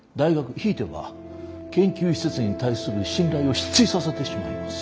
ひいては研究施設に対する信頼を失墜させてしまいます。